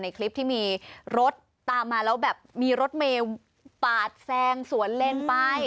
คลิปที่มีรถตามมาแล้วแบบมีรถเมล์ปาดแซงสวนเลนไป